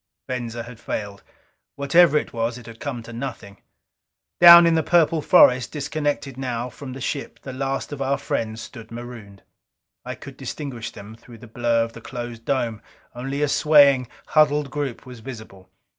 Venza had failed. Whatever it was, it had come to nothing. Down in the purple forest, disconnected now from the ship, the last of our friends stood marooned. I could distinguish them through the blur of the closed dome only a swaying, huddled group was visible.